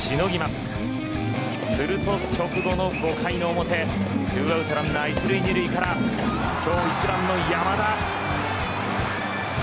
すると直後の５回の表２アウトランナー１塁２塁から今日１番の山田。